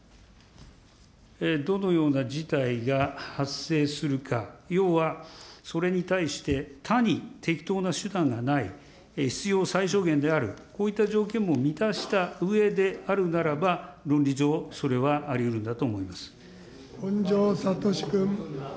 どのような事態が発生するか、要はそれに対して、他に適当な手段がない、必要最小限である、こういった条件も満たしたうえであるならば、論理上、本庄知史君。